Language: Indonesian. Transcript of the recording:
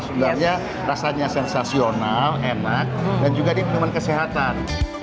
sebenarnya rasanya sensasional enak dan juga di minuman kesehatan